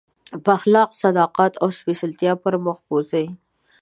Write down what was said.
په اخلاص، صداقت او سپېڅلتیا پر مخ بوځي.